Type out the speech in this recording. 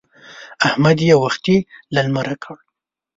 احمد يې وختي له لمره کړ.